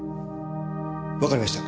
わかりました。